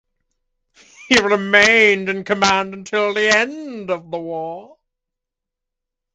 He remained in command until the end of the war.